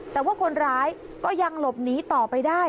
แต่ว่าคนร้ายก็ยังหลบหนีต่อไปได้